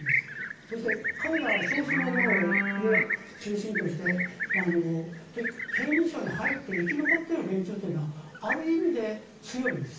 そして彼ら少数の者を中心として刑務所に入って生き残っている連中というのはある意味で強いんです。